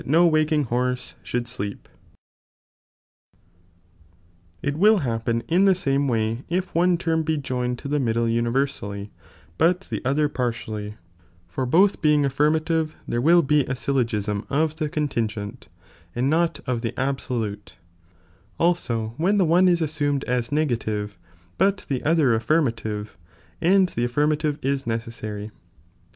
"* It will happen in the same way, if one term be joined to the middle universally, but the other J^'jJJJ"' partially, for both being afiirmative there will be a sjll<^sm of the contingent, and not of the abaolnte, g when the one is assumed as negative but the otbcr affirmative^ J and the affirmative is necessary.